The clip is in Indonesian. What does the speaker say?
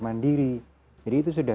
mandiri jadi itu sudah